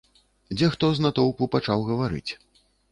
Дзе хто з натоўпу пачаў гаварыць.